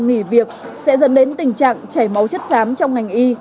vì việc sẽ dần đến tình trạng chảy máu chất xám trong ngành y